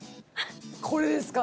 これですか？